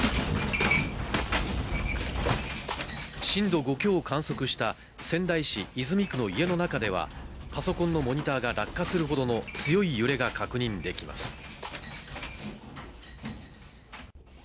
震度５強を観測した仙台市泉区の家の中では、パソコンのモニターが落下するほどの強い揺れが確認できます。